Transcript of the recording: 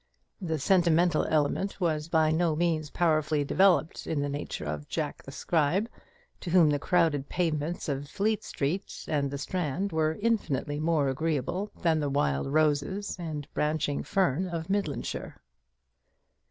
The sentimental element was by no means powerfully developed in the nature of Jack the Scribe, to whom the crowded pavements of Fleet Street and the Strand were infinitely more agreeable than the wild roses and branching fern of Midlandshire.